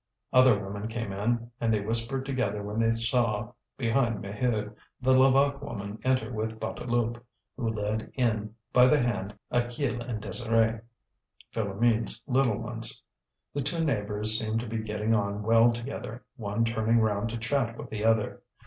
Other women came in, and they whispered together when they saw, behind Maheude, the Levaque woman enter with Bouteloup, who led in by the hand Achille and Désirée, Philoméne's little ones. The two neighbours seemed to be getting on well together, one turning round to chat with the other.